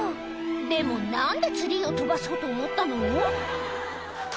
でも何でツリーを飛ばそうと思ったの？